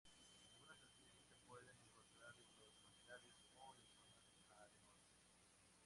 Algunas especies se pueden encontrar en los manglares o en zonas arenosas.